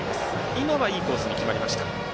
今はいいコースに決まりました。